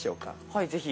はいぜひ。